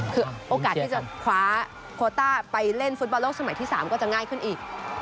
คือโอกาสที่จะคว้าโคต้าไปเล่นฟุตบอลโลกสมัยที่๓ก็จะง่ายขึ้นอีก